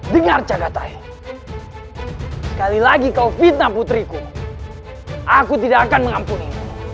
dengar catatan sekali lagi kau fitnah putriku aku tidak akan mengampuni